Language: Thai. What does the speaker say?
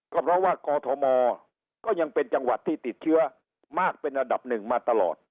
ก็เพราะว่ากอทมก็ยังเป็นจังหวัดที่ติดเชื้อมากเป็นอันดับหนึ่งมาตลอด